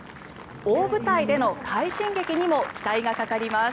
大舞台での快進撃にも期待がかかります。